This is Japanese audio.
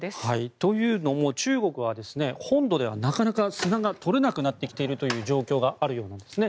というのも中国は本土ではなかなか砂が取れなくなってきているという状況があるようなんですね。